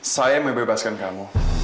saya yang mebebaskan kamu